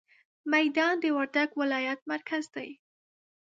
ميدان د وردګ ولايت مرکز دی.